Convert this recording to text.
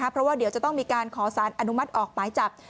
เพราะว่าเดี๋ยวจะต้องมีการขอสารอนุมัติออกหมายจับ